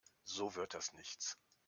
So wird das nichts.